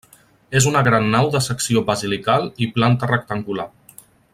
És una gran nau de secció basilical i planta rectangular.